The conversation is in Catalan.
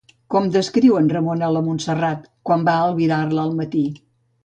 Com descriu en Ramon a la Montserrat quan va albirar-la al matí?